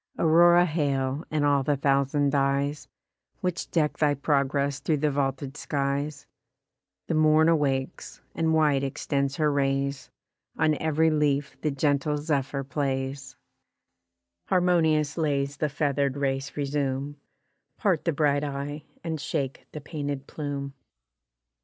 Aurora hail, and all the thousand dyes, Which deck thy progress through the vaulted skies: The morn awakes, and wide extends her rays, On ev'ry leaf the gentle zephyr plays ; Harmonious lays the feather'd race resume, Part the bright eye, and shake the painted plume.